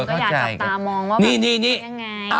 คุณก็อยากจับตามองว่าเป็นยังไง